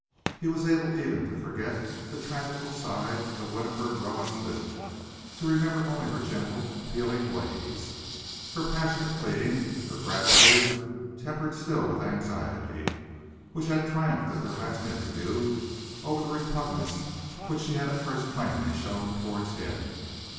He was able, even, to forget the tragical side of Winifred Rowan's visits, to remember only her gentle, appealing ways, her passionate pleading, her gratitude, tempered still with anxiety, which had triumphed at their last interview over the repugnance which she had at first plainly shown towards him.